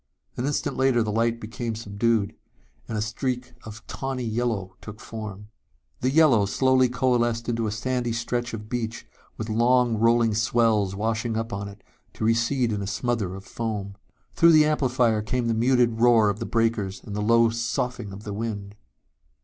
An instant later the light became subdued and a streak of tawny yellow took form. The yellow slowly coalesced into a sandy stretch of beach with long rolling swells washing up on it, to recede in a smother of foam. Through the amplifier came the muted roar of the breakers and the low soughing of the wind.